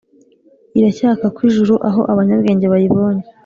iracyaka kw ijuru aho abanyabwenge bayibonye.